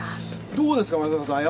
どうですかね